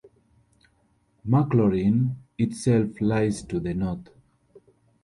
Maclaurin itself lies to the north.